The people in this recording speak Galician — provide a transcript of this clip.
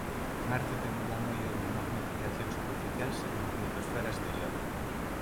Marte ten unha moi débil magnetización superficial sen magnetosfera exterior.